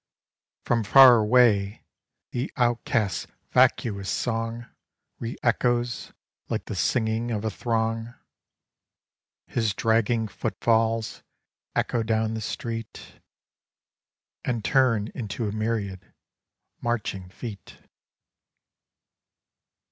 From far away the outcast's vacuous song Re echoes like the singing of a throng ; His dragging footfalls echo down the street, And turn into a myriad marching feet.